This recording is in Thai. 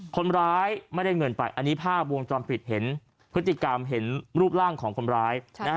คนร้ายไม่ได้เงินไปอันนี้ภาพวงจรปิดเห็นพฤติกรรมเห็นรูปร่างของคนร้าย